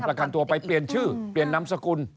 ประกันตัวไปเปลี่ยนชื่อเปลี่ยนนามสกุล